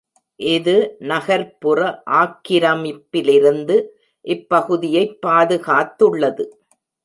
இது நகர்ப்புற ஆக்கிரமிப்பிலிருந்து இப்பகுதியைப் பாதுகாத்துள்ளது.